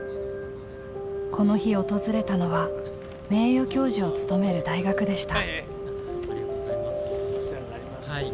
この日訪れたのは名誉教授を務める大学でした。